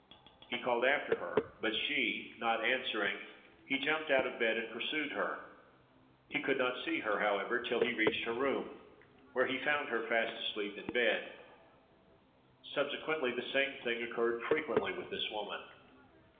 He called after her, but she not answering, he jumped out of bed and pursued her. He could not see her, however, till he reached her room, where he found her fast asleep in bed. Subsequently, the same thing occurred frequently with this woman.